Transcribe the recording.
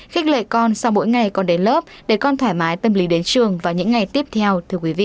khích lệ con sau mỗi ngày con đến lớp để con thoải mái tâm lý đến trường vào những ngày tiếp theo